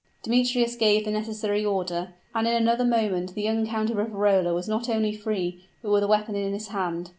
Demetrius gave the necessary order and in another moment the young Count of Riverola was not only free, but with a weapon in his hand.